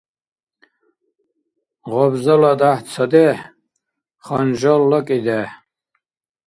Гъабзала дяхӀ — цадехӀ, ханжалла — кӀидехӀ.